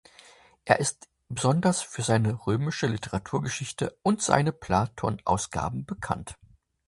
Er ist besonders für seine römische Literaturgeschichte und seine Platon-Ausgaben bekannt.